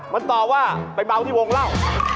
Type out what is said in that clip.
มันตอบว่าไปเบาที่วงเล่า